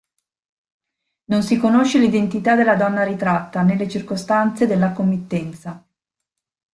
Non si conosce l'identità della donna ritratta né le circostanze della committenza.